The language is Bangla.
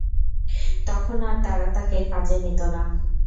তখন আর তারা তাকে কাজে নিতো না।